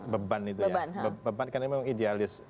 beban itu ya beban beban karena